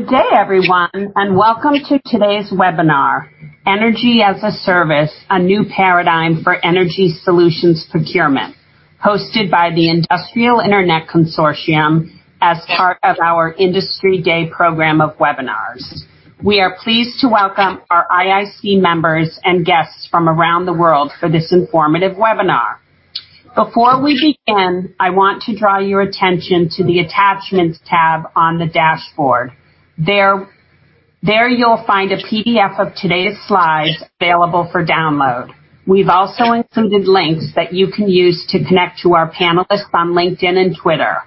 Good day, everyone, and welcome to today's webinar, "Energy as a Service: A New Paradigm for Energy Solutions Procurement," hosted by the Industrial Internet Consortium as part of our Industry Day program of webinars. We are pleased to welcome our IIC members and guests from around the world for this informative webinar. Before we begin, I want to draw your attention to the Attachments tab on the dashboard. There you'll find a PDF of today's slides available for download. We've also included links that you can use to connect to our panelists on LinkedIn and Twitter.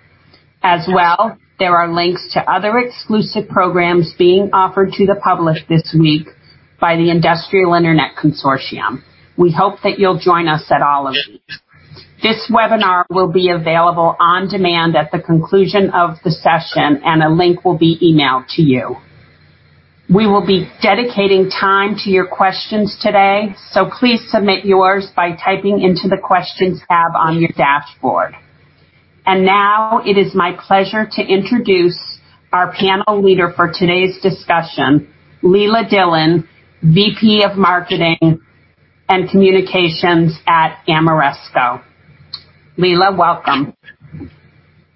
As well, there are links to other exclusive programs being offered to the public this week by the Industrial Internet Consortium. We hope that you'll join us at all of them. This webinar will be available on demand at the conclusion of the session, and a link will be emailed to you. We will be dedicating time to your questions today, so please submit yours by typing into the Questions tab on your dashboard. Now it is my pleasure to introduce our panel leader for today's discussion, Leila Dillon, VP of Marketing and Communications at Ameresco. Leila, welcome.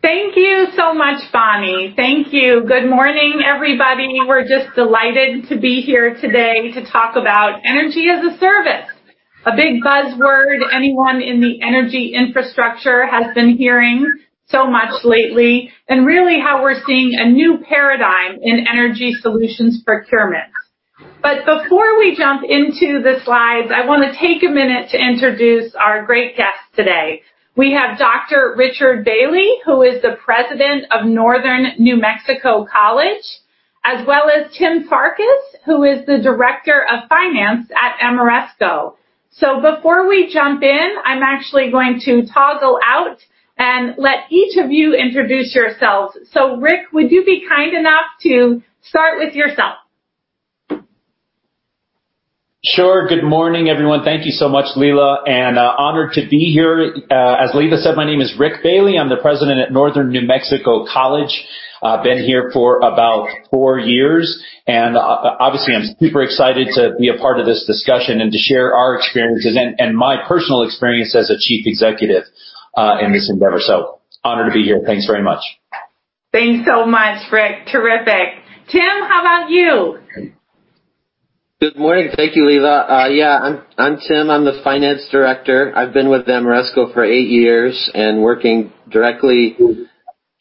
Thank you so much, Bonnie. Thank you. Good morning, everybody. We're just delighted to be here today to talk about Energy as a Service, a big buzzword anyone in the energy infrastructure has been hearing so much lately, and really how we're seeing a new paradigm in energy solutions procurement. Before we jump into the slides, I want to take a minute to introduce our great guest today. We have Dr. Richard Bailey, who is the president of Northern New Mexico College, as well as Tim Farkas, who is the director of finance at Ameresco. Before we jump in, I'm actually going to toggle out and let each of you introduce yourselves. Rick, would you be kind enough to start with yourself? Sure. Good morning, everyone. Thank you so much, Leila. And honored to be here. As Leila said, my name is Rick Bailey. I'm the president at Northern New Mexico College. I've been here for about four years. And obviously, I'm super excited to be a part of this discussion and to share our experiences and my personal experience as a chief executive in this endeavor. So honored to be here. Thanks very much. Thanks so much, Rick. Terrific. Tim, how about you? Good morning. Thank you, Leila. Yeah, I'm Tim. I'm the finance director. I've been with Ameresco for eight years and working directly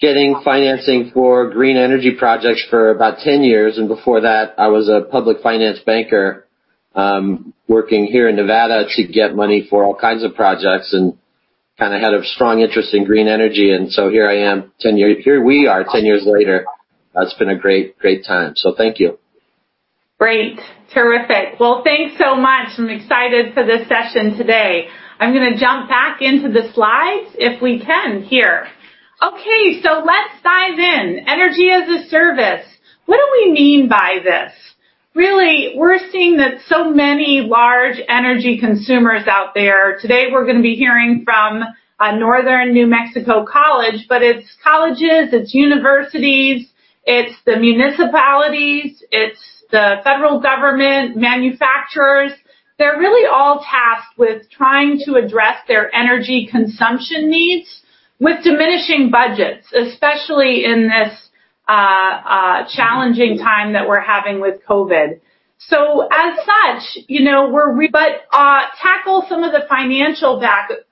getting financing for green energy projects for about 10 years. And before that, I was a public finance banker working here in Nevada to get money for all kinds of projects and kind of had a strong interest in green energy. And so here I am, here we are 10 years later. It's been a great time. So thank you. Great. Terrific. Well, thanks so much. I'm excited for this session today. I'm going to jump back into the slides if we can here. Okay, so let's dive in. Energy as a Service. What do we mean by this? Really, we're seeing that so many large energy consumers out there. Today, we're going to be hearing from Northern New Mexico College, but it's colleges, it's universities, it's the municipalities, it's the federal government, manufacturers. They're really all tasked with trying to address their energy consumption needs with diminishing budgets, especially in this challenging time that we're having with COVID. So as such, we're. But tackle some of the financial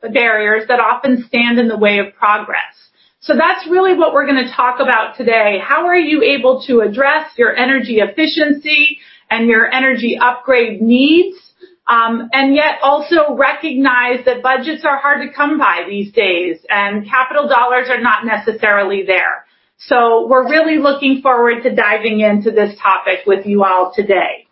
barriers that often stand in the way of progress. So that's really what we're going to talk about today. How are you able to address your energy efficiency and your energy upgrade needs, and yet also recognize that budgets are hard to come by these days and capital dollars are not necessarily there? So we're really looking forward to diving into this topic with you all today.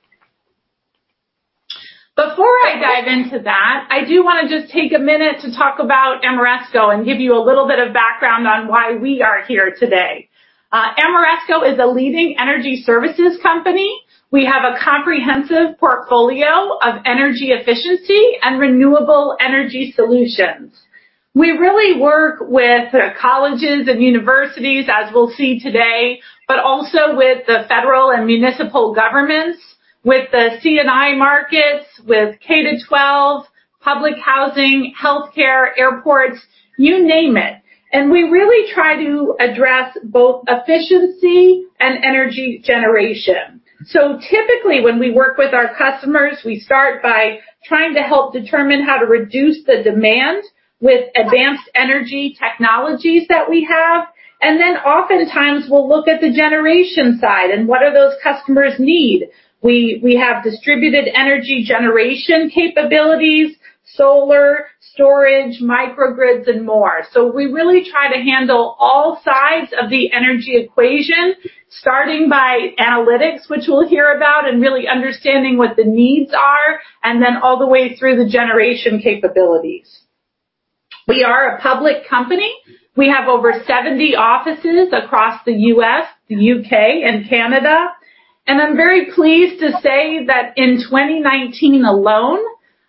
Before I dive into that, I do want to just take a minute to talk about Ameresco and give you a little bit of background on why we are here today. Ameresco is a leading energy services company. We have a comprehensive portfolio of energy efficiency and renewable energy solutions. We really work with colleges and universities, as we'll see today, but also with the federal and municipal governments, with the C&I markets, with K-12, public housing, healthcare, airports, you name it. And we really try to address both efficiency and energy generation. So typically, when we work with our customers, we start by trying to help determine how to reduce the demand with advanced energy technologies that we have. And then oftentimes, we'll look at the generation side and what do those customers need. We have distributed energy generation capabilities, solar, storage, microgrids, and more. So we really try to handle all sides of the energy equation, starting by analytics, which we'll hear about, and really understanding what the needs are, and then all the way through the generation capabilities. We are a public company. We have over 70 offices across the U.S., the U.K., and Canada. And I'm very pleased to say that in 2019 alone,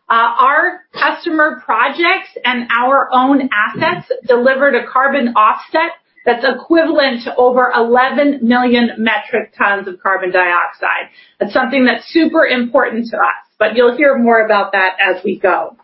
our customer projects and our own assets delivered a carbon offset that's equivalent to over 11 million metric tons of carbon dioxide. That's something that's super important to us. You'll hear more about that as we go.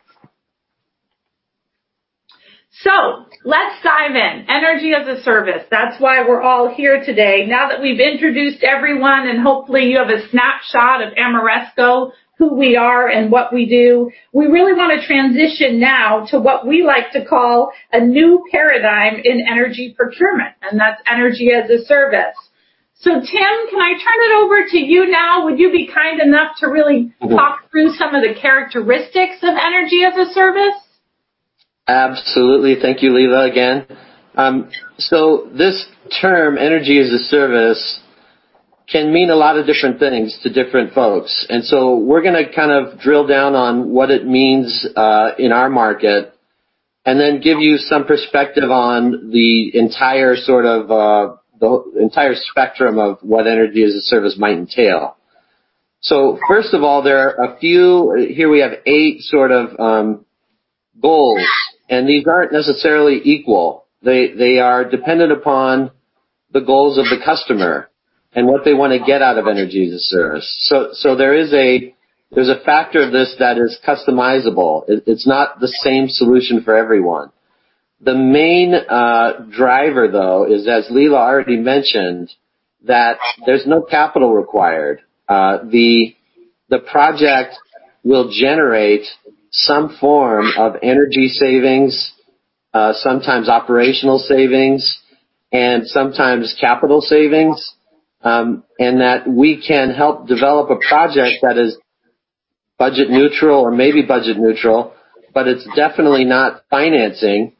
Let's dive in. Energy as a Service. That's why we're all here today. Now that we've introduced everyone and hopefully you have a snapshot of Ameresco, who we are, and what we do, we really want to transition now to what we like to call a new paradigm in energy procurement, and that's Energy as a Service. So Tim, can I turn it over to you now? Would you be kind enough to really talk through some of the characteristics of Energy as a Service? Absolutely. Thank you, Leila, again. This term, Energy as a Service, can mean a lot of different things to different folks. We're going to kind of drill down on what it means in our market and then give you some perspective on the entire spectrum of what Energy as a Service might entail. First of all, there are a few here we have eight sort of goals. These aren't necessarily equal. They are dependent upon the goals of the customer and what they want to get out of Energy as a Service. There is a factor of this that is customizable. It's not the same solution for everyone. The main driver, though, is, as Leila already mentioned, that there's no capital required. The project will generate some form of energy savings, sometimes operational savings, and sometimes capital savings, and that we can help develop a project that is budget neutral or maybe budget neutral, but it's definitely not financing,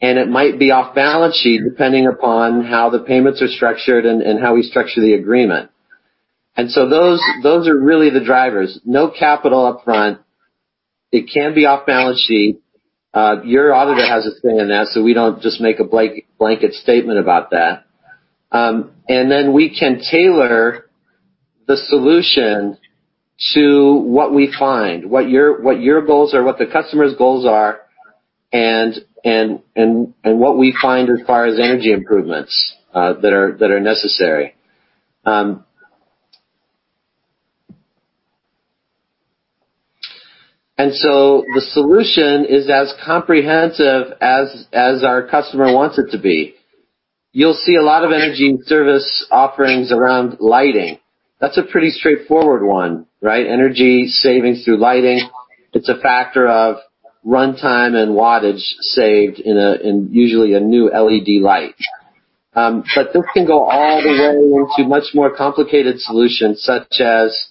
and it might be off balance sheet depending upon how the payments are structured and how we structure the agreement. So those are really the drivers. No capital upfront. It can be off balance sheet. Your auditor has a say in that, so we don't just make a blanket statement about that. Then we can tailor the solution to what we find, what your goals are, what the customer's goals are, and what we find as far as energy improvements that are necessary. So the solution is as comprehensive as our customer wants it to be. You'll see a lot of energy service offerings around lighting. That's a pretty straightforward one, right? Energy savings through lighting. It's a factor of runtime and wattage saved in usually a new LED light. But this can go all the way into much more complicated solutions such as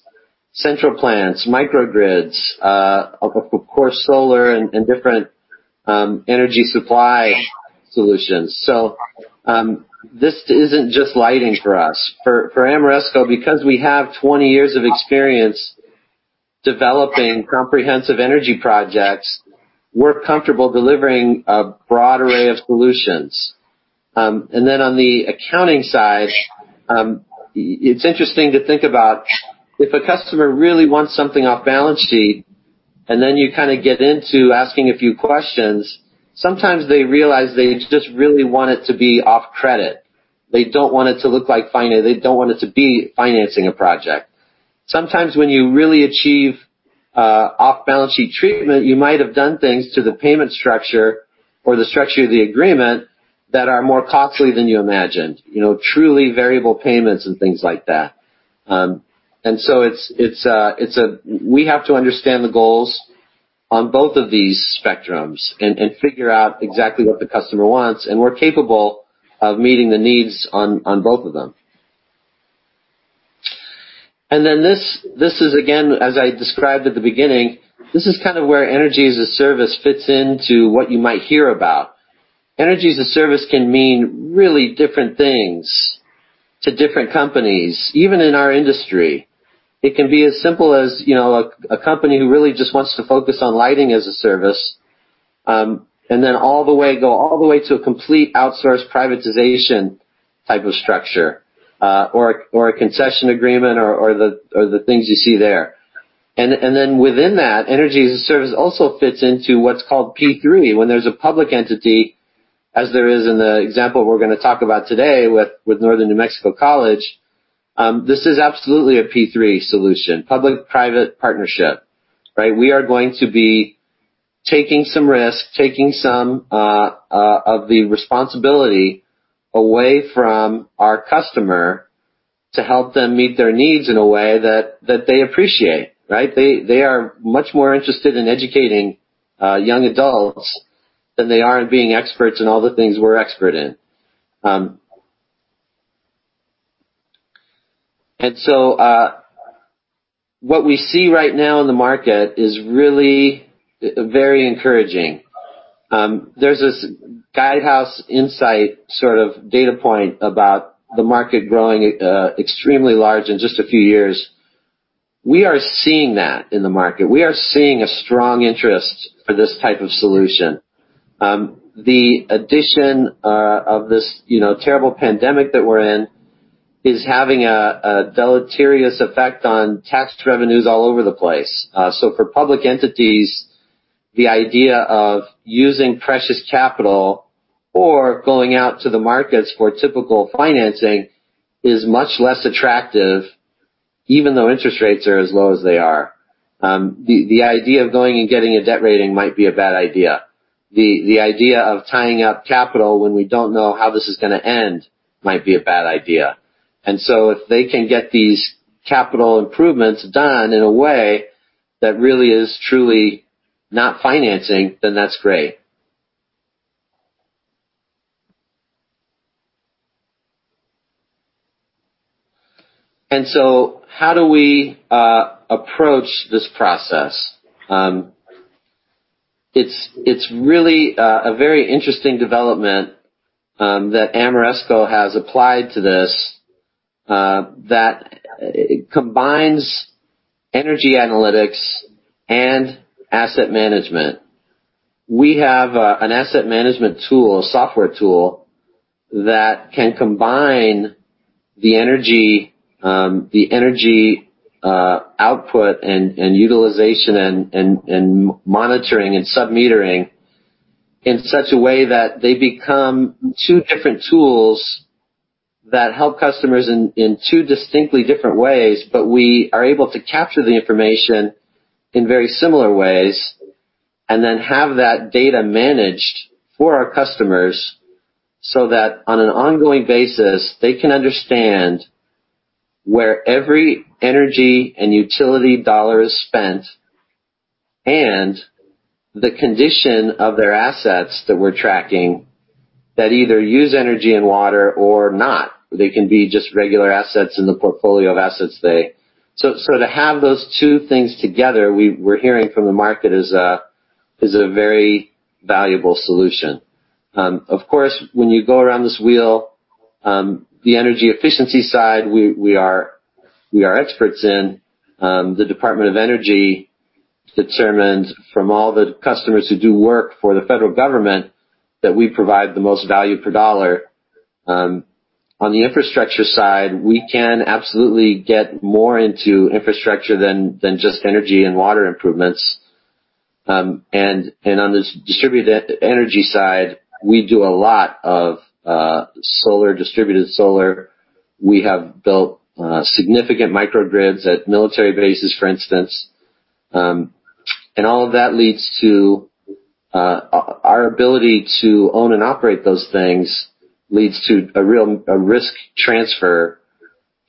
central plants, microgrids, of course, solar, and different energy supply solutions. So this isn't just lighting for us. For Ameresco, because we have 20 years of experience developing comprehensive energy projects, we're comfortable delivering a broad array of solutions. And then on the accounting side, it's interesting to think about if a customer really wants something off balance sheet and then you kind of get into asking a few questions, sometimes they realize they just really want it to be off credit. They don't want it to look like they don't want it to be financing a project. Sometimes when you really achieve off balance sheet treatment, you might have done things to the payment structure or the structure of the agreement that are more costly than you imagined, truly variable payments and things like that. And so it's a we have to understand the goals on both of these spectrums and figure out exactly what the customer wants. And we're capable of meeting the needs on both of them. And then this is, again, as I described at the beginning, this is kind of where Energy as a Service fits into what you might hear about. Energy as a Service can mean really different things to different companies, even in our industry. It can be as simple as a company who really just wants to focus on lighting as a service and then all the way go all the way to a complete outsource privatization type of structure or a concession agreement or the things you see there. And then within that, Energy as a Service also fits into what's called P3, when there's a public entity, as there is in the example we're going to talk about today with Northern New Mexico College. This is absolutely a P3 solution, public-private partnership, right? We are going to be taking some risk, taking some of the responsibility away from our customer to help them meet their needs in a way that they appreciate, right? They are much more interested in educating young adults than they are in being experts in all the things we're expert in. What we see right now in the market is really very encouraging. There's this Guidehouse Insights sort of data point about the market growing extremely large in just a few years. We are seeing that in the market. We are seeing a strong interest for this type of solution. The addition of this terrible pandemic that we're in is having a deleterious effect on tax revenues all over the place. So for public entities, the idea of using precious capital or going out to the markets for typical financing is much less attractive, even though interest rates are as low as they are. The idea of going and getting a debt rating might be a bad idea. The idea of tying up capital when we don't know how this is going to end might be a bad idea. So if they can get these capital improvements done in a way that really is truly not financing, then that's great. So how do we approach this process? It's really a very interesting development that Ameresco has applied to this that combines energy analytics and asset management. We have an asset management tool, a software tool, that can combine the energy output and utilization and monitoring and submetering in such a way that they become two different tools that help customers in two distinctly different ways. But we are able to capture the information in very similar ways and then have that data managed for our customers so that on an ongoing basis, they can understand where every energy and utility dollar is spent and the condition of their assets that we're tracking that either use energy and water or not. They can be just regular assets in the portfolio of assets they. So to have those two things together, we're hearing from the market is a very valuable solution. Of course, when you go around this wheel, the energy efficiency side we are experts in. The Department of Energy determined from all the customers who do work for the federal government that we provide the most value per dollar. On the infrastructure side, we can absolutely get more into infrastructure than just energy and water improvements. And on the distributed energy side, we do a lot of solar, distributed solar. We have built significant microgrids at military bases, for instance. And all of that leads to our ability to own and operate those things, leads to a real risk transfer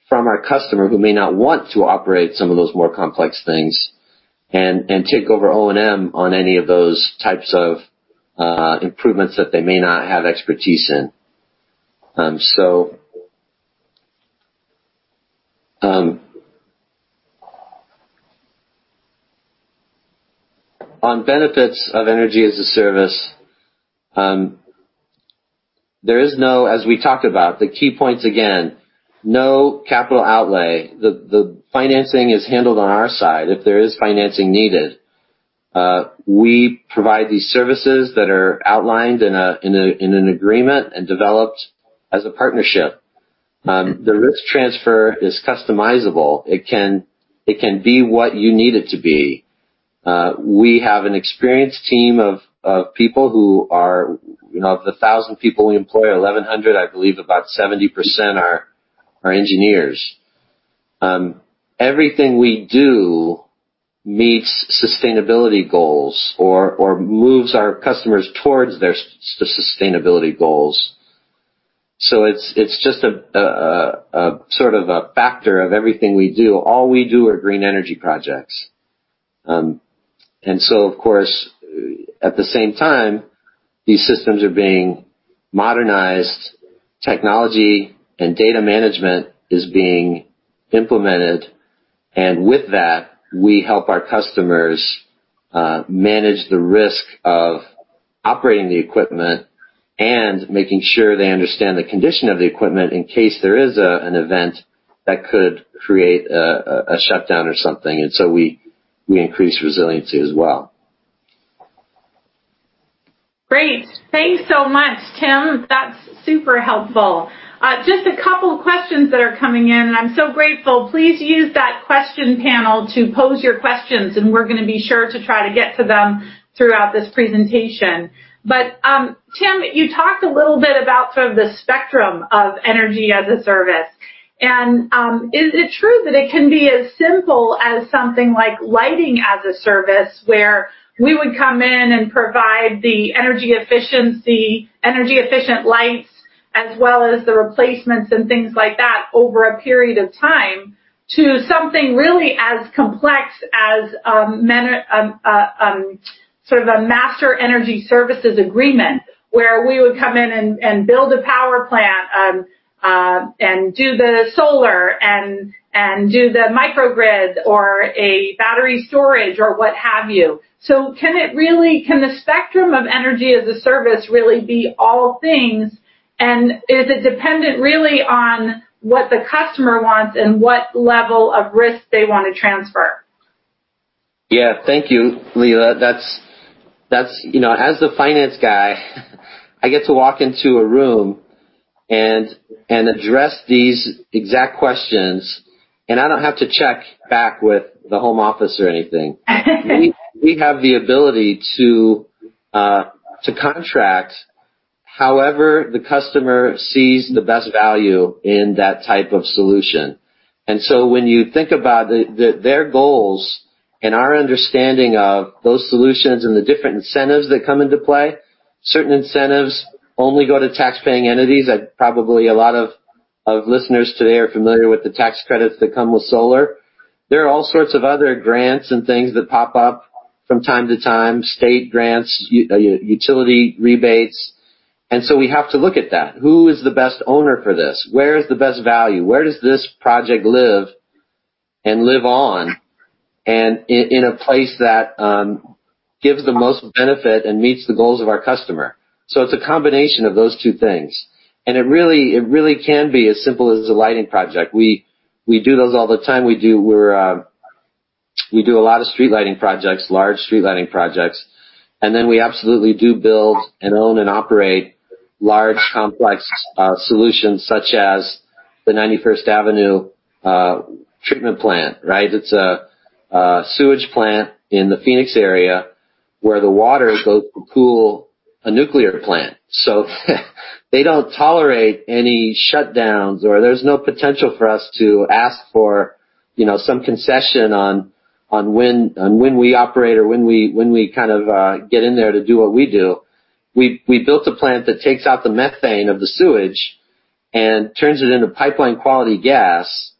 from our customer who may not want to operate some of those more complex things and take over O&M on any of those types of improvements that they may not have expertise in. So, on benefits of Energy as a Service, there is no, as we talked about, the key points again, no capital outlay. The financing is handled on our side if there is financing needed. We provide these services that are outlined in an agreement and developed as a partnership. The risk transfer is customizable. It can be what you need it to be. We have an experienced team of people who are, of the 1,000 people we employ, 1,100, I believe, about 70% are engineers. Everything we do meets sustainability goals or moves our customers towards their sustainability goals. It's just a sort of a factor of everything we do. All we do are green energy projects. Of course, at the same time, these systems are being modernized. Technology and data management is being implemented. And with that, we help our customers manage the risk of operating the equipment and making sure they understand the condition of the equipment in case there is an event that could create a shutdown or something. We increase resiliency as well. Great. Thanks so much, Tim. That's super helpful. Just a couple of questions that are coming in, and I'm so grateful. Please use that question panel to pose your questions, and we're going to be sure to try to get to them throughout this presentation. But Tim, you talked a little bit about sort of the spectrum of Energy as a Service. And is it true that it can be as simple as something like lighting as a service where we would come in and provide the energy efficiency, energy-efficient lights as well as the replacements and things like that over a period of time to something really as complex as sort of a master energy services agreement where we would come in and build a power plant and do the solar and do the microgrid or a battery storage or what have you? So, can it really span the spectrum of Energy as a Service really be all things, and is it dependent really on what the customer wants and what level of risk they want to transfer? Yeah. Thank you, Leila. That's as the finance guy, I get to walk into a room and address these exact questions, and I don't have to check back with the home office or anything. We have the ability to contract however the customer sees the best value in that type of solution. And so when you think about their goals and our understanding of those solutions and the different incentives that come into play, certain incentives only go to taxpaying entities. Probably a lot of listeners today are familiar with the tax credits that come with solar. There are all sorts of other grants and things that pop up from time to time, state grants, utility rebates. And so we have to look at that. Who is the best owner for this? Where is the best value? Where does this project live and live on in a place that gives the most benefit and meets the goals of our customer? So it's a combination of those two things. And it really can be as simple as a lighting project. We do those all the time. We do a lot of street lighting projects, large street lighting projects. And then we absolutely do build and own and operate large, complex solutions such as the 91st Avenue Treatment Plant, right? It's a sewage plant in the Phoenix area where the water goes to cool a nuclear plant. So they don't tolerate any shutdowns, or there's no potential for us to ask for some concession on when we operate or when we kind of get in there to do what we do. We built a plant that takes out the methane of the sewage and turns it into pipeline quality gas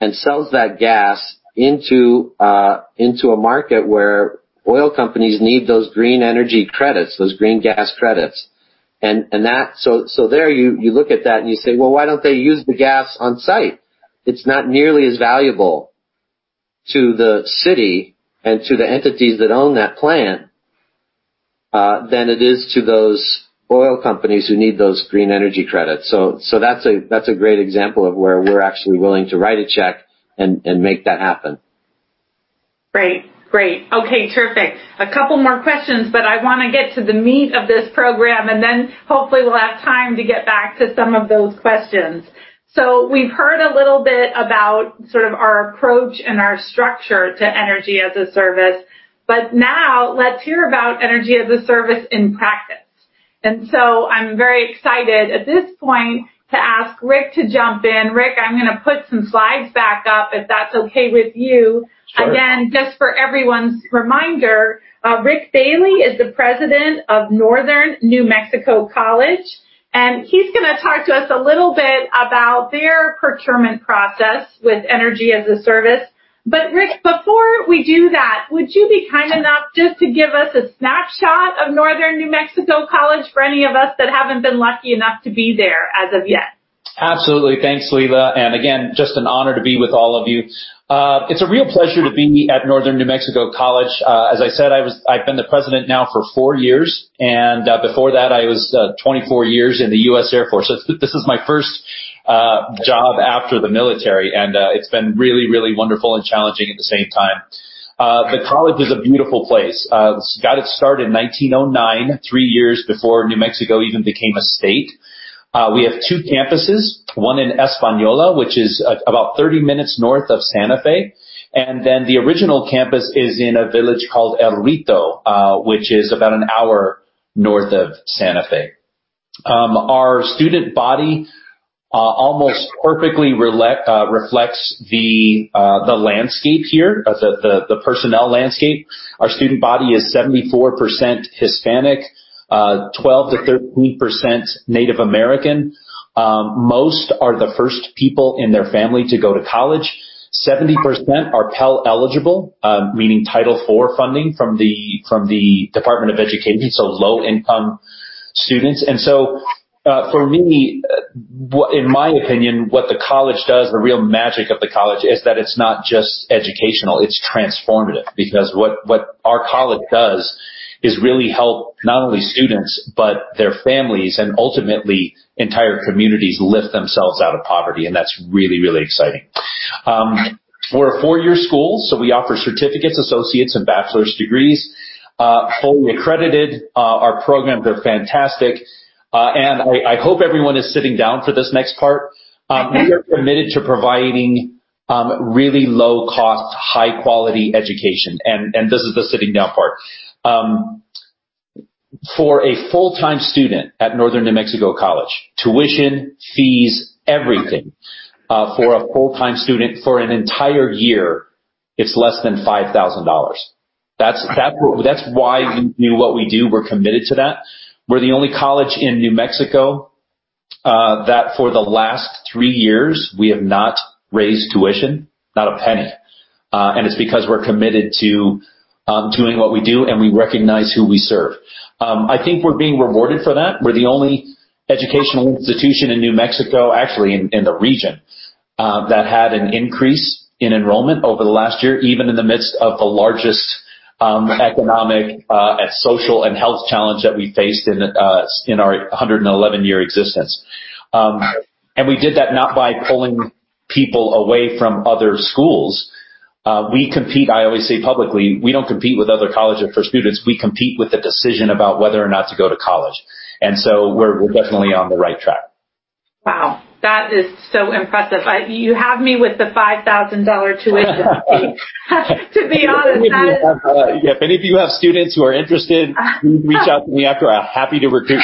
and sells that gas into a market where oil companies need those green energy credits, those green gas credits. And so there, you look at that and you say, "Well, why don't they use the gas on-site? It's not nearly as valuable to the city and to the entities that own that plant than it is to those oil companies who need those green energy credits." So that's a great example of where we're actually willing to write a check and make that happen. Great. Great. Okay. Terrific. A couple more questions, but I want to get to the meat of this program, and then hopefully, we'll have time to get back to some of those questions. So we've heard a little bit about sort of our approach and our structure to Energy as a Service. But now, let's hear about Energy as a Service in practice. And so I'm very excited at this point to ask Rick to jump in. Rick, I'm going to put some slides back up if that's okay with you. Again, just for everyone's reminder, Rick Bailey is the president of Northern New Mexico College. And he's going to talk to us a little bit about their procurement process with Energy as a Service. Rick, before we do that, would you be kind enough just to give us a snapshot of Northern New Mexico College for any of us that haven't been lucky enough to be there as of yet? Absolutely. Thanks, Leila. And again, just an honor to be with all of you. It's a real pleasure to be at Northern New Mexico College. As I said, I've been the president now for four years. And before that, I was 24 years in the U.S. Air Force. So this is my first job after the military, and it's been really, really wonderful and challenging at the same time. The college is a beautiful place. It got its start in 1909, three years before New Mexico even became a state. We have two campuses, one in Española, which is about 30 minutes north of Santa Fe. And then the original campus is in a village called El Rito, which is about an hour north of Santa Fe. Our student body almost perfectly reflects the landscape here, the personnel landscape. Our student body is 74% Hispanic, 12%-13% Native American. Most are the first people in their family to go to college. 70% are Pell-eligible, meaning Title IV funding from the Department of Education, so low-income students. And so for me, in my opinion, what the college does, the real magic of the college, is that it's not just educational. It's transformative because what our college does is really help not only students but their families and ultimately entire communities lift themselves out of poverty. And that's really, really exciting. We're a four-year school, so we offer certificates, associates, and bachelor's degrees, fully accredited. Our programs, they're fantastic. And I hope everyone is sitting down for this next part. We are committed to providing really low-cost, high-quality education. And this is the sitting-down part. For a full-time student at Northern New Mexico College, tuition, fees, everything for a full-time student for an entire year, it's less than $5,000. That's why we do what we do. We're committed to that. We're the only college in New Mexico that for the last 3 years, we have not raised tuition, not a penny. And it's because we're committed to doing what we do, and we recognize who we serve. I think we're being rewarded for that. We're the only educational institution in New Mexico, actually in the region, that had an increase in enrollment over the last year, even in the midst of the largest economic and social and health challenge that we faced in our 111-year existence. And we did that not by pulling people away from other schools. We compete, I always say publicly. We don't compete with other colleges for students. We compete with the decision about whether or not to go to college. And so we're definitely on the right track. Wow. That is so impressive. You have me with the $5,000 tuition fee. To be honest, that is. Yeah. If any of you have students who are interested, please reach out to me after. I'm happy to recruit.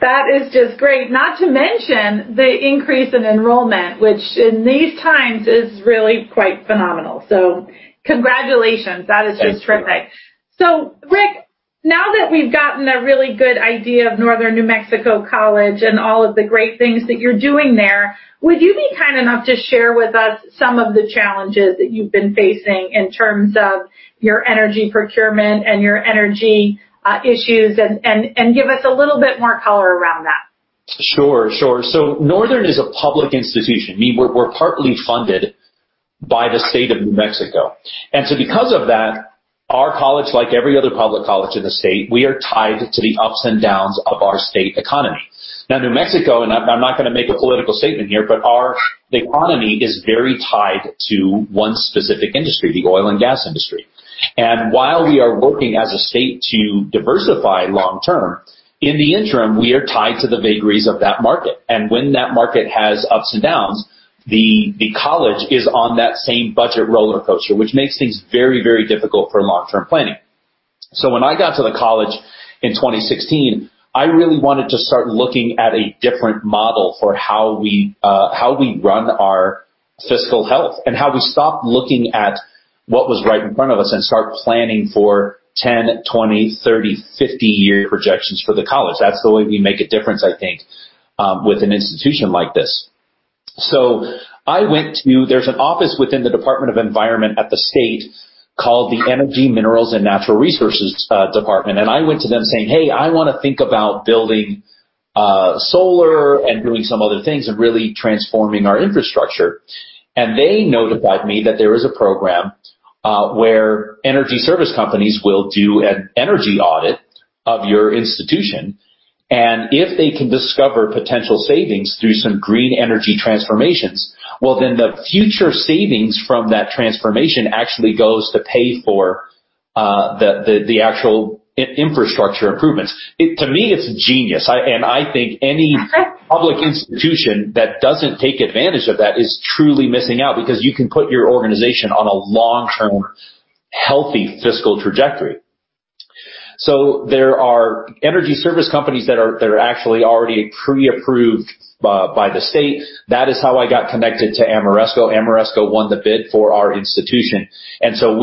That is just great. Not to mention the increase in enrollment, which in these times is really quite phenomenal. So congratulations. That is just terrific. So Rick, now that we've gotten a really good idea of Northern New Mexico College and all of the great things that you're doing there, would you be kind enough to share with us some of the challenges that you've been facing in terms of your energy procurement and your energy issues and give us a little bit more color around that? Sure. Sure. So Northern is a public institution. I mean, we're partly funded by the state of New Mexico. And so because of that, our college, like every other public college in the state, we are tied to the ups and downs of our state economy. Now, New Mexico and I'm not going to make a political statement here, but the economy is very tied to one specific industry, the oil and gas industry. And while we are working as a state to diversify long-term, in the interim, we are tied to the vagaries of that market. And when that market has ups and downs, the college is on that same budget roller coaster, which makes things very, very difficult for long-term planning. So when I got to the college in 2016, I really wanted to start looking at a different model for how we run our fiscal health and how we stop looking at what was right in front of us and start planning for 10, 20, 30, 50-year projections for the college. That's the way we make a difference, I think, with an institution like this. So I went to there's an office within the Department of Environment at the state called the Energy, Minerals, and Natural Resources Department. And I went to them saying, "Hey, I want to think about building solar and doing some other things and really transforming our infrastructure." And they notified me that there is a program where energy service companies will do an energy audit of your institution. And if they can discover potential savings through some green energy transformations, well, then the future savings from that transformation actually goes to pay for the actual infrastructure improvements. To me, it's genius. And I think any public institution that doesn't take advantage of that is truly missing out because you can put your organization on a long-term, healthy fiscal trajectory. So there are energy service companies that are actually already pre-approved by the state. That is how I got connected to Ameresco. Ameresco won the bid for our institution. And so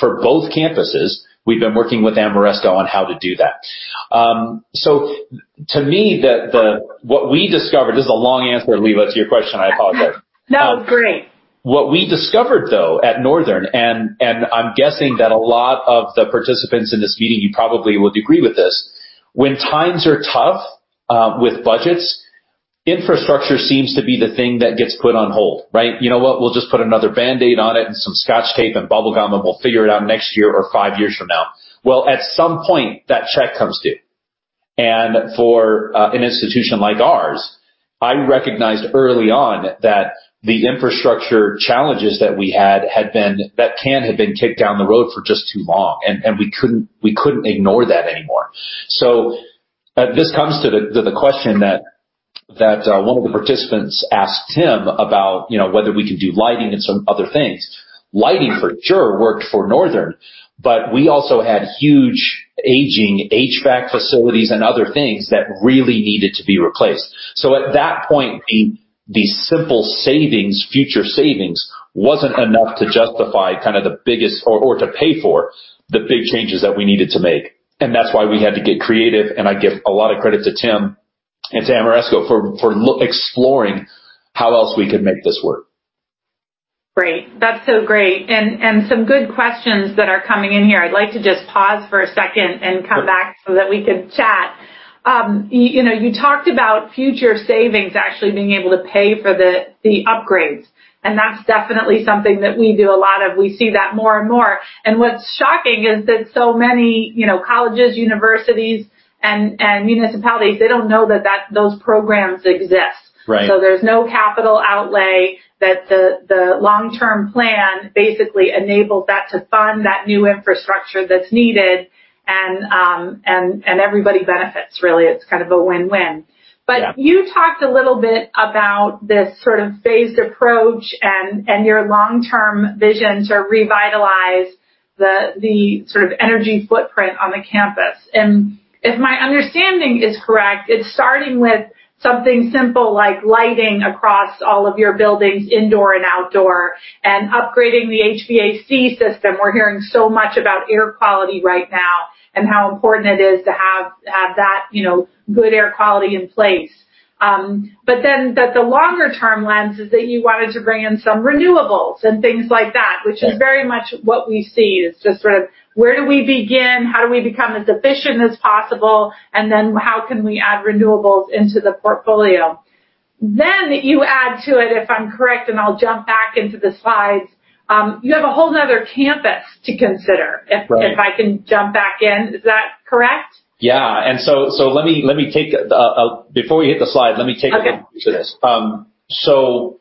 for both campuses, we've been working with Ameresco on how to do that. So to me, what we discovered, this is a long answer, Leila. It's your question. I apologize. No, it's great. What we discovered, though, at Northern and I'm guessing that a lot of the participants in this meeting, you probably will agree with this, when times are tough with budgets, infrastructure seems to be the thing that gets put on hold, right? "You know what? We'll just put another Band-Aid on it and some Scotch tape and bubblegum, and we'll figure it out next year or five years from now." Well, at some point, that check comes due. And for an institution like ours, I recognized early on that the infrastructure challenges that we had had been that can have been kicked down the road for just too long, and we couldn't ignore that anymore. So this comes to the question that one of the participants asked Tim about whether we can do lighting and some other things. Lighting, for sure, worked for Northern, but we also had huge aging HVAC facilities and other things that really needed to be replaced. So at that point, the simple savings, future savings, wasn't enough to justify kind of the biggest or to pay for the big changes that we needed to make. And that's why we had to get creative. And I give a lot of credit to Tim and to Ameresco for exploring how else we could make this work. Great. That's so great. And some good questions that are coming in here. I'd like to just pause for a second and come back so that we could chat. You talked about future savings actually being able to pay for the upgrades. And that's definitely something that we do a lot of. We see that more and more. And what's shocking is that so many colleges, universities, and municipalities. They don't know that those programs exist. So there's no capital outlay that the long-term plan basically enables that to fund that new infrastructure that's needed. And everybody benefits, really. It's kind of a win-win. But you talked a little bit about this sort of phased approach and your long-term vision to revitalize the sort of energy footprint on the campus. If my understanding is correct, it's starting with something simple like lighting across all of your buildings, indoor and outdoor, and upgrading the HVAC system. We're hearing so much about air quality right now and how important it is to have that good air quality in place. But then the longer-term lens is that you wanted to bring in some renewables and things like that, which is very much what we see. It's just sort of where do we begin? How do we become as efficient as possible? And then how can we add renewables into the portfolio? Then you add to it, if I'm correct, and I'll jump back into the slides, you have a whole nother campus to consider, if I can jump back in. Is that correct? Yeah. And so let me take a look into this. So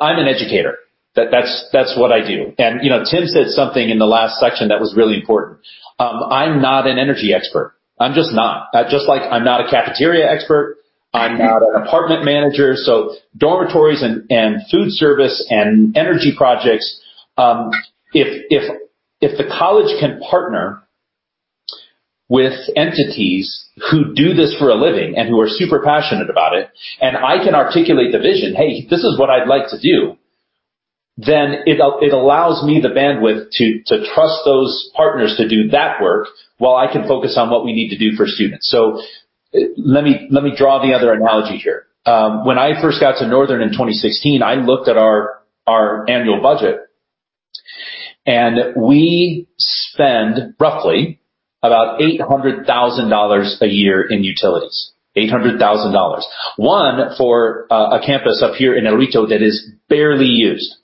I'm an educator. That's what I do. And Tim said something in the last section that was really important. I'm not an energy expert. I'm just not. Just like I'm not a cafeteria expert. I'm not an apartment manager. So dormitories and food service and energy projects, if the college can partner with entities who do this for a living and who are super passionate about it, and I can articulate the vision, "Hey, this is what I'd like to do," then it allows me the bandwidth to trust those partners to do that work while I can focus on what we need to do for students. So let me draw the other analogy here. When I first got to Northern in 2016, I looked at our annual budget, and we spend roughly about $800,000 a year in utilities, $800,000, one for a campus up here in El Rito that is barely used.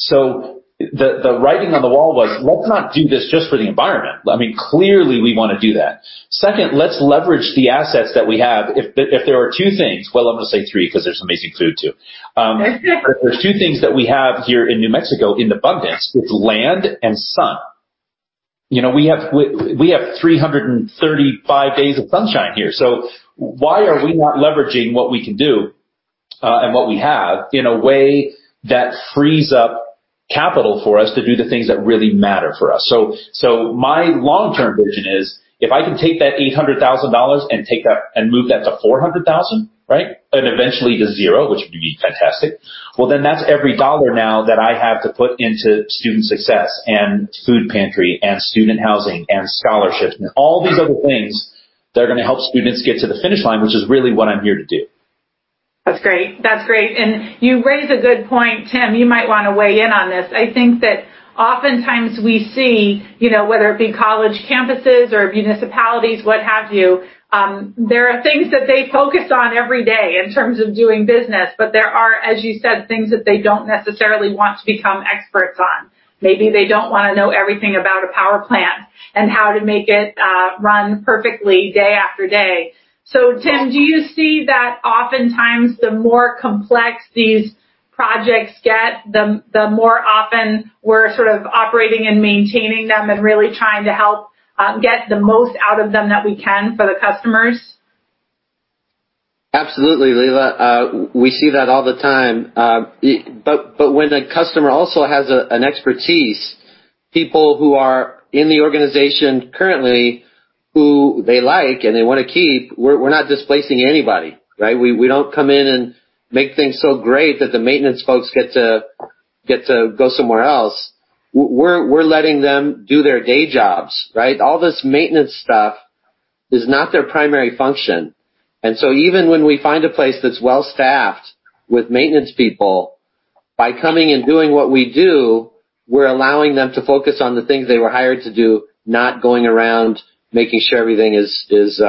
So the writing on the wall was, "Let's not do this just for the environment. I mean, clearly, we want to do that. Second, let's leverage the assets that we have." If there are two things well, I'm going to say three because there's amazing food too. If there's two things that we have here in New Mexico in abundance, it's land and sun. We have 335 days of sunshine here. So why are we not leveraging what we can do and what we have in a way that frees up capital for us to do the things that really matter for us? My long-term vision is if I can take that $800,000 and move that to $400,000, right, and eventually to zero, which would be fantastic. Well, then that's every dollar now that I have to put into student success and food pantry and student housing and scholarships and all these other things that are going to help students get to the finish line, which is really what I'm here to do. That's great. That's great. And you raise a good point, Tim. You might want to weigh in on this. I think that oftentimes, we see, whether it be college campuses or municipalities, what have you, there are things that they focus on every day in terms of doing business, but there are, as you said, things that they don't necessarily want to become experts on. Maybe they don't want to know everything about a power plant and how to make it run perfectly day after day. So Tim, do you see that oftentimes, the more complex these projects get, the more often we're sort of operating and maintaining them and really trying to help get the most out of them that we can for the customers? Absolutely, Leila. We see that all the time. But when a customer also has an expertise, people who are in the organization currently who they like and they want to keep, we're not displacing anybody, right? We don't come in and make things so great that the maintenance folks get to go somewhere else. We're letting them do their day jobs, right? All this maintenance stuff is not their primary function. And so even when we find a place that's well-staffed with maintenance people, by coming and doing what we do, we're allowing them to focus on the things they were hired to do, not going around making sure everything is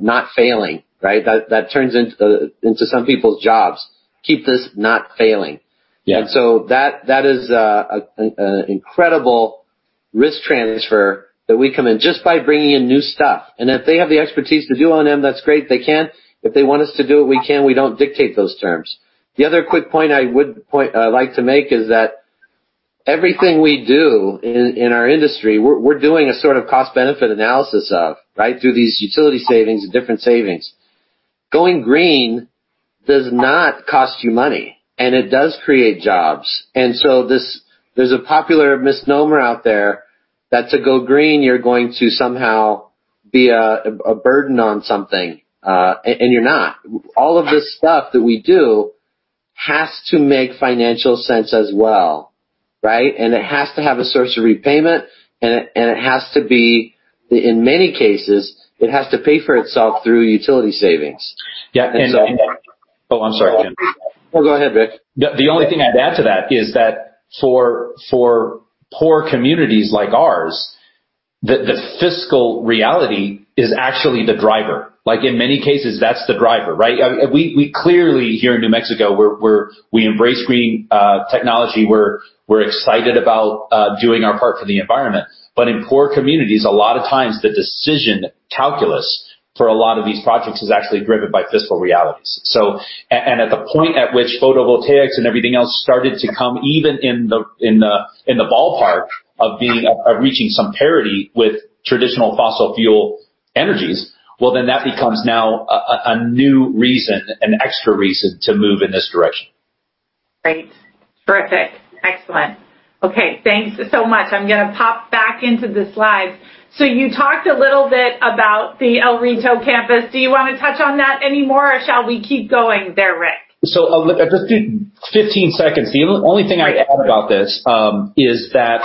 not failing, right? That turns into some people's jobs, keep this not failing. And so that is an incredible risk transfer that we come in just by bringing in new stuff. And if they have the expertise to do on them, that's great. They can. If they want us to do it, we can. We don't dictate those terms. The other quick point I would like to make is that everything we do in our industry, we're doing a sort of cost-benefit analysis of, right, through these utility savings and different savings. Going green does not cost you money, and it does create jobs. And so there's a popular misnomer out there that to go green, you're going to somehow be a burden on something, and you're not. All of this stuff that we do has to make financial sense as well, right? And it has to have a source of repayment, and it has to be in many cases, it has to pay for itself through utility savings. And so. Yeah. And, oh, I'm sorry, Tim. No, go ahead, Rick. The only thing I'd add to that is that for poor communities like ours, the fiscal reality is actually the driver. In many cases, that's the driver, right? We clearly, here in New Mexico, we embrace green technology. We're excited about doing our part for the environment. But in poor communities, a lot of times, the decision calculus for a lot of these projects is actually driven by fiscal realities. And at the point at which photovoltaics and everything else started to come, even in the ballpark of reaching some parity with traditional fossil fuel energies, well, then that becomes now a new reason, an extra reason to move in this direction. Great. Terrific. Excellent. Okay. Thanks so much. I'm going to pop back into the slides. So you talked a little bit about the El Rito campus. Do you want to touch on that anymore, or shall we keep going there, Rick? So just 15 seconds. The only thing I'd add about this is that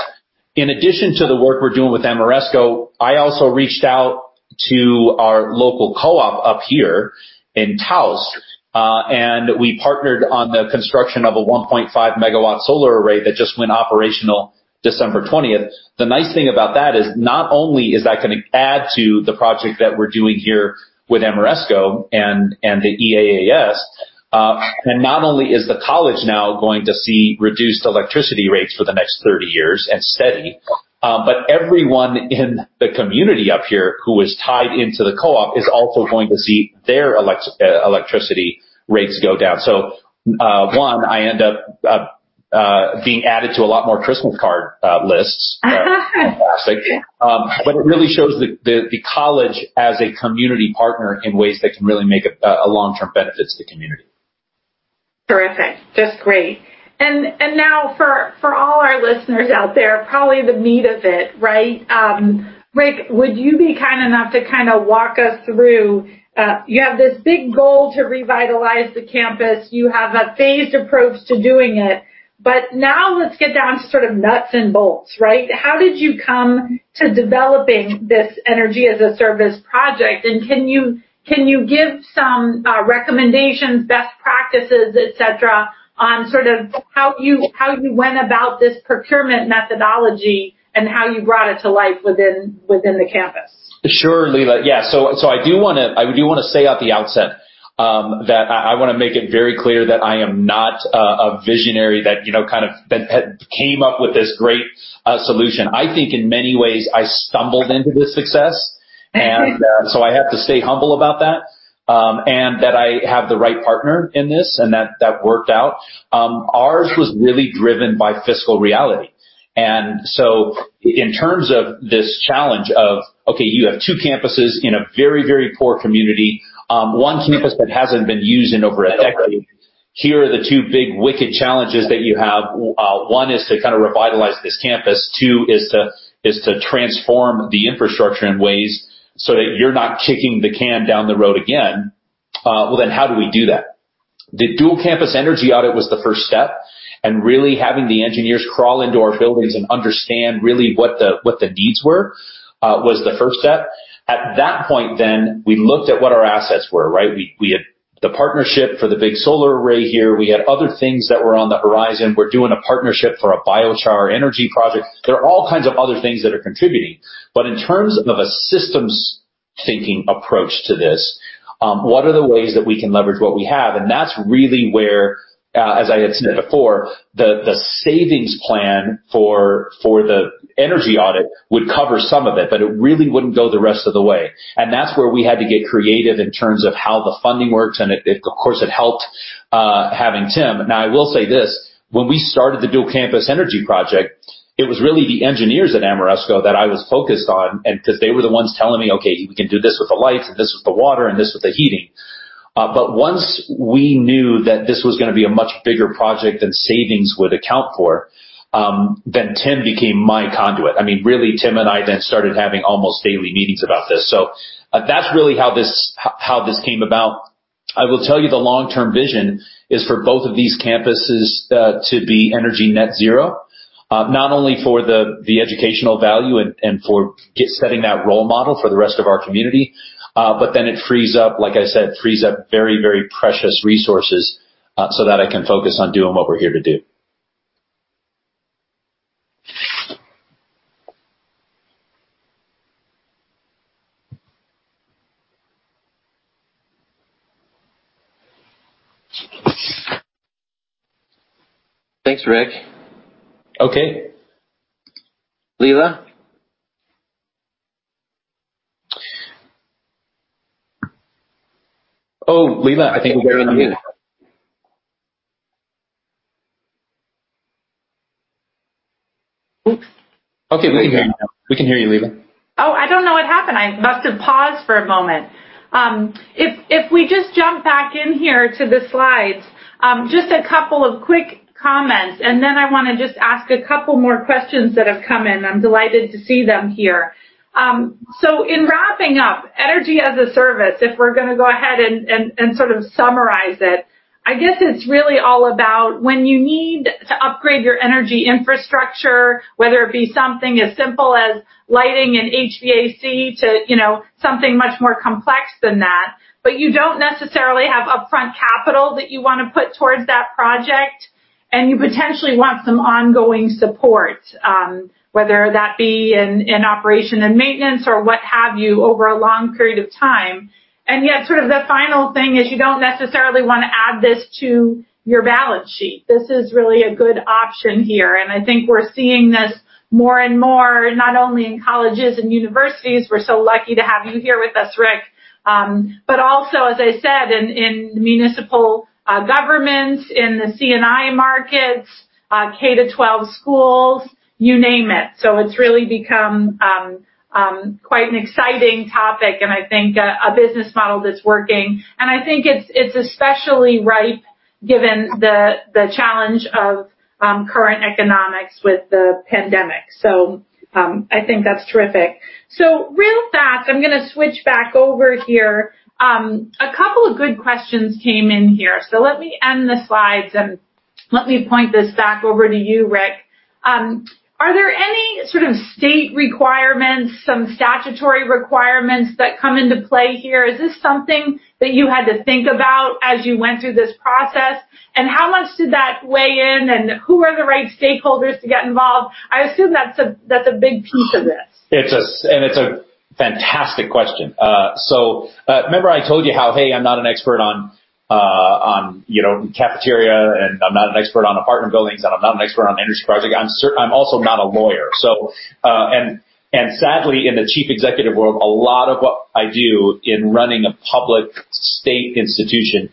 in addition to the work we're doing with Ameresco, I also reached out to our local co-op up here in Taos, and we partnered on the construction of a 1.5-MW solar array that just went operational December 20th. The nice thing about that is not only is that going to add to the project that we're doing here with Ameresco and the EaaS, and not only is the college now going to see reduced electricity rates for the next 30 years and steady, but everyone in the community up here who is tied into the co-op is also going to see their electricity rates go down. So one, I end up being added to a lot more Christmas card lists. Fantastic. But it really shows the college as a community partner in ways that can really make long-term benefits to the community. Terrific. That's great. And now for all our listeners out there, probably the meat of it, right? Rick, would you be kind enough to kind of walk us through you have this big goal to revitalize the campus. You have a phased approach to doing it. But now let's get down to sort of nuts and bolts, right? How did you come to developing this Energy as a Service project? And can you give some recommendations, best practices, etc., on sort of how you went about this procurement methodology and how you brought it to life within the campus? Sure, Leila. Yeah. So I do want to I do want to say at the outset that I want to make it very clear that I am not a visionary that kind of came up with this great solution. I think in many ways, I stumbled into this success, and so I have to stay humble about that and that I have the right partner in this and that that worked out. Ours was really driven by fiscal reality. And so in terms of this challenge of, "Okay, you have two campuses in a very, very poor community, one campus that hasn't been used in over a decade. Here are the two big wicked challenges that you have. One is to kind of revitalize this campus. Two is to transform the infrastructure in ways so that you're not kicking the can down the road again." Well, then how do we do that? The dual-campus energy audit was the first step. Really having the engineers crawl into our buildings and understand really what the needs were was the first step. At that point, then, we looked at what our assets were, right? We had the partnership for the big solar array here. We had other things that were on the horizon. We're doing a partnership for a biochar energy project. There are all kinds of other things that are contributing. But in terms of a systems-thinking approach to this, what are the ways that we can leverage what we have? That's really where, as I had said before, the savings plan for the energy audit would cover some of it, but it really wouldn't go the rest of the way. That's where we had to get creative in terms of how the funding works. Of course, it helped having Tim. Now, I will say this. When we started the dual-campus energy project, it was really the engineers at Ameresco that I was focused on because they were the ones telling me, "Okay, we can do this with the lights, and this with the water, and this with the heating." But once we knew that this was going to be a much bigger project than savings would account for, then Tim became my conduit. I mean, really, Tim and I then started having almost daily meetings about this. So that's really how this came about. I will tell you the long-term vision is for both of these campuses to be energy net zero, not only for the educational value and for setting that role model for the rest of our community, but then it frees up, like I said, frees up very, very precious resources so that I can focus on doing what we're here to do. Thanks, Rick. Okay. Leila? Oh, Leila, I think we're better on mute. Oops. Okay. We can hear you now. We can hear you, Leila. Oh, I don't know what happened. I must have paused for a moment. If we just jump back in here to the slides, just a couple of quick comments, and then I want to just ask a couple more questions that have come in. I'm delighted to see them here. So in wrapping up, Energy as a Service, if we're going to go ahead and sort of summarize it, I guess it's really all about when you need to upgrade your energy infrastructure, whether it be something as simple as lighting and HVAC to something much more complex than that, but you don't necessarily have upfront capital that you want to put towards that project, and you potentially want some ongoing support, whether that be in operation and maintenance or what have you over a long period of time. And yet, sort of the final thing is you don't necessarily want to add this to your balance sheet. This is really a good option here. And I think we're seeing this more and more, not only in colleges and universities, we're so lucky to have you here with us, Rick, but also, as I said, in municipal governments, in the C&I markets, K-12 schools, you name it. So it's really become quite an exciting topic and I think a business model that's working. And I think it's especially ripe given the challenge of current economics with the pandemic. So I think that's terrific. So real fast, I'm going to switch back over here. A couple of good questions came in here. So let me end the slides, and let me point this back over to you, Rick. Are there any sort of state requirements, some statutory requirements that come into play here? Is this something that you had to think about as you went through this process? And how much did that weigh in, and who are the right stakeholders to get involved? I assume that's a big piece of this. It's a fantastic question. Remember I told you how, "Hey, I'm not an expert on cafeteria, and I'm not an expert on apartment buildings, and I'm not an expert on energy projects. I'm also not a lawyer." Sadly, in the chief executive world, a lot of what I do in running a public state institution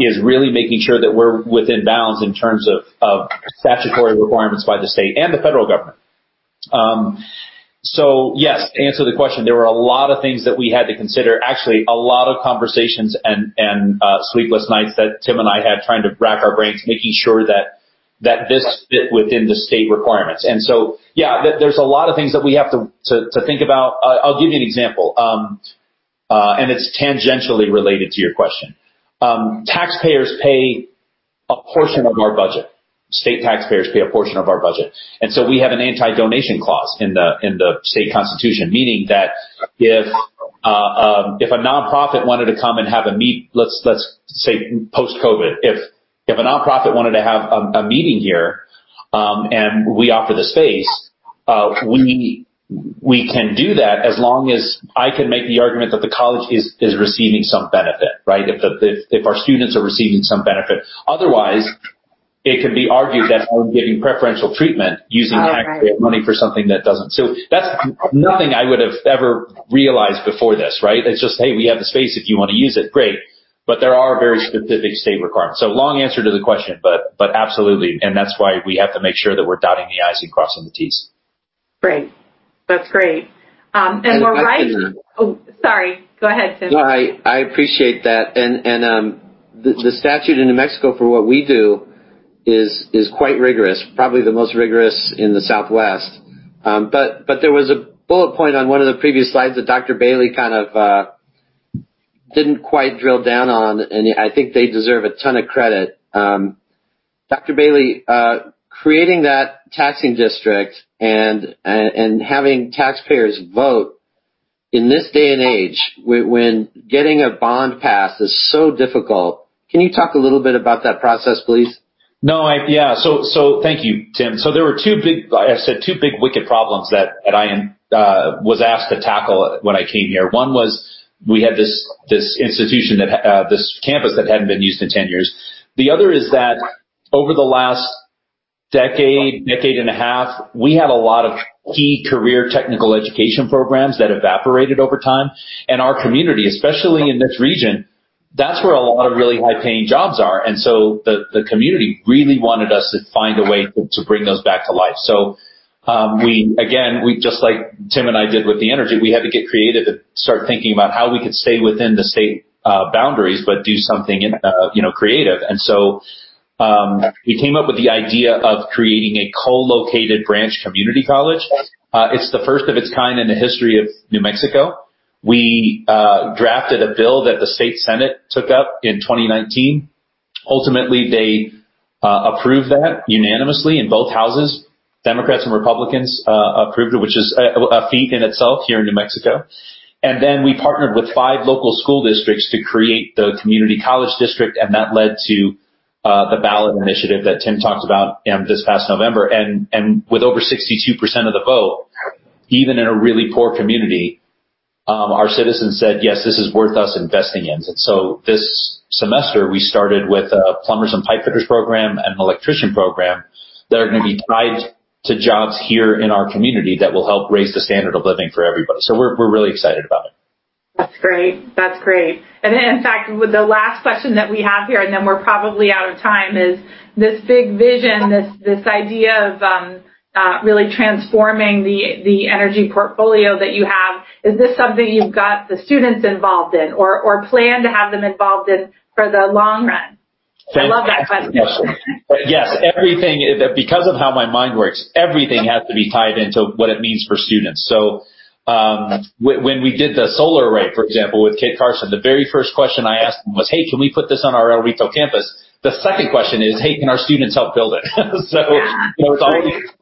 is really making sure that we're within bounds in terms of statutory requirements by the state and the federal government. Yes, to answer the question, there were a lot of things that we had to consider, actually a lot of conversations and sleepless nights that Tim and I had trying to rack our brains, making sure that this fit within the state requirements. Yeah, there's a lot of things that we have to think about. I'll give you an example, and it's tangentially related to your question. Taxpayers pay a portion of our budget. State taxpayers pay a portion of our budget. And so we have an anti-donation clause in the state constitution, meaning that if a nonprofit wanted to come and have a meeting, let's say post-COVID. If a nonprofit wanted to have a meeting here, and we offer the space, we can do that as long as I can make the argument that the college is receiving some benefit, right, if our students are receiving some benefit. Otherwise, it can be argued that I'm giving preferential treatment using taxpayer money for something that doesn't. So that's nothing I would have ever realized before this, right? It's just, "Hey, we have the space. If you want to use it, great." But there are very specific state requirements. So long answer to the question, but absolutely. That's why we have to make sure that we're dotting the i's and crossing the t's. Great. That's great. We're right. That's good enough. Oh, sorry. Go ahead, Tim. No, I appreciate that. And the statute in New Mexico for what we do is quite rigorous, probably the most rigorous in the Southwest. But there was a bullet point on one of the previous slides that Dr. Bailey kind of didn't quite drill down on, and I think they deserve a ton of credit. Dr. Bailey, creating that taxing district and having taxpayers vote in this day and age when getting a bond pass is so difficult, can you talk a little bit about that process, please? No, yeah. So thank you, Tim. So there were two big. I said two big wicked problems that I was asked to tackle when I came here. One was we had this institution, this campus that hadn't been used in 10 years. The other is that over the last decade, decade and a half, we had a lot of key career technical education programs that evaporated over time. And our community, especially in this region, that's where a lot of really high-paying jobs are. And so the community really wanted us to find a way to bring those back to life. So again, just like Tim and I did with the energy, we had to get creative and start thinking about how we could stay within the state boundaries but do something creative. And so we came up with the idea of creating a co-located branch community college. It's the first of its kind in the history of New Mexico. We drafted a bill that the State Senate took up in 2019. Ultimately, they approved that unanimously in both houses. Democrats and Republicans approved it, which is a feat in itself here in New Mexico. Then we partnered with five local school districts to create the community college district, and that led to the ballot initiative that Tim talked about this past November. With over 62% of the vote, even in a really poor community, our citizens said, "Yes, this is worth us investing in." So this semester, we started with a plumbers and pipefitters program and an electrician program that are going to be tied to jobs here in our community that will help raise the standard of living for everybody. So we're really excited about it. That's great. That's great. In fact, the last question that we have here, and then we're probably out of time, is this big vision, this idea of really transforming the energy portfolio that you have, is this something you've got the students involved in or plan to have them involved in for the long run? I love that question. Yes. Because of how my mind works, everything has to be tied into what it means for students. So when we did the solar array, for example, with Kit Carson, the very first question I asked them was, "Hey, can we put this on our El Rito campus?" The second question is, "Hey, can our students help build it?" So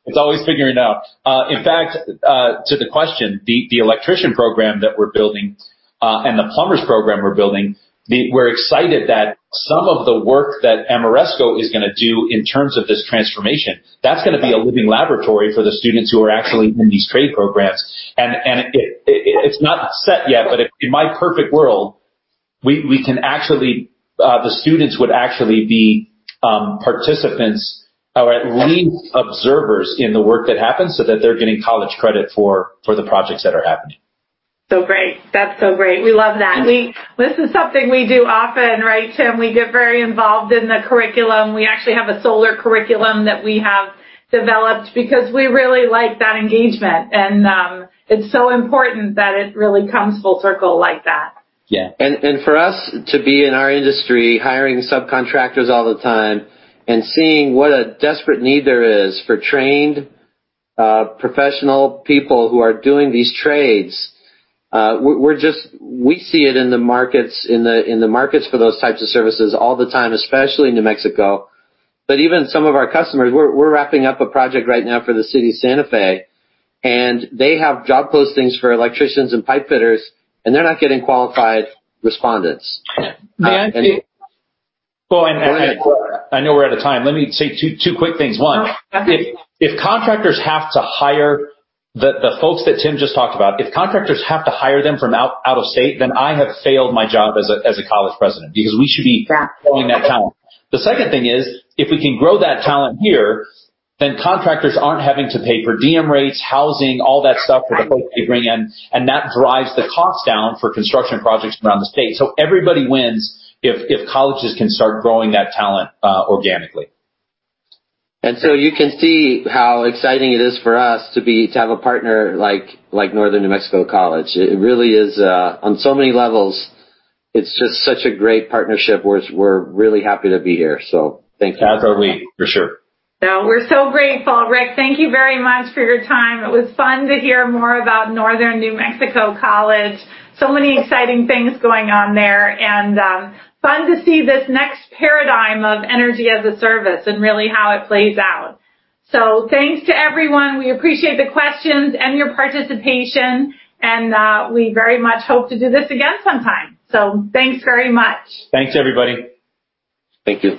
it's always figuring out. In fact, to the question, the electrician program that we're building and the plumbers program we're building, we're excited that some of the work that Ameresco is going to do in terms of this transformation, that's going to be a living laboratory for the students who are actually in these trade programs. It's not set yet, but in my perfect world, we can actually the students would actually be participants or at least observers in the work that happens so that they're getting college credit for the projects that are happening. So great. That's so great. We love that. This is something we do often, right, Tim? We get very involved in the curriculum. We actually have a solar curriculum that we have developed because we really like that engagement. It's so important that it really comes full circle like that. Yeah. And for us to be in our industry, hiring subcontractors all the time, and seeing what a desperate need there is for trained professional people who are doing these trades, we see it in the markets for those types of services all the time, especially in New Mexico. But even some of our customers, we're wrapping up a project right now for the City of Santa Fe, and they have job postings for electricians and pipefitters, and they're not getting qualified respondents. Oh, and I know we're out of time. Let me say two quick things. One, if contractors have to hire the folks that Tim just talked about, if contractors have to hire them from out of state, then I have failed my job as a college president because we should be growing that talent. The second thing is, if we can grow that talent here, then contractors aren't having to pay per diem rates, housing, all that stuff for the folks they bring in, and that drives the cost down for construction projects around the state. So everybody wins if colleges can start growing that talent organically. You can see how exciting it is for us to have a partner like Northern New Mexico College. It really is, on so many levels, it's just such a great partnership. We're really happy to be here. Thanks a lot. Partner of the week, for sure. Now, we're so grateful. Rick, thank you very much for your time. It was fun to hear more about Northern New Mexico College. So many exciting things going on there, and fun to see this next paradigm of energy as a service and really how it plays out. So thanks to everyone. We appreciate the questions and your participation, and we very much hope to do this again sometime. So thanks very much. Thanks, everybody. Thank you.